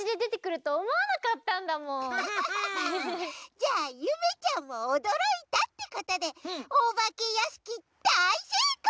じゃあゆめちゃんもおどろいたってことでおばけやしきだいせいこう！